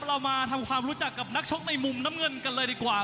เรามาทำความรู้จักกับนักชกในมุมน้ำเงินกันเลยดีกว่า